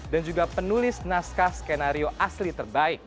dan juga penulis naskah skenario asli terbaik